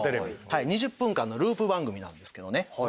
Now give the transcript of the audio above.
２０分間のループ番組なんですけどね。